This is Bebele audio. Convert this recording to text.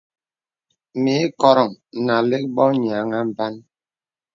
Mì ìkòrōŋ nà àlə̀k bô nīaŋ à mbānə.